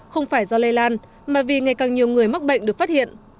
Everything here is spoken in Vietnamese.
không phải do lây lan mà vì ngày càng nhiều người mắc bệnh được phát hiện